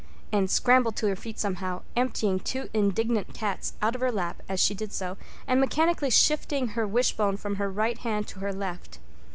Anne scrambled to her feet somehow, emptying two indignant cats out of her lap as she did so, and mechanically shifting her wishbone from her right hand to her left.